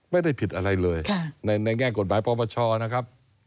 ไม่ได้ผิดอะไรเลยในแง่กฎหมายปปชนะครับ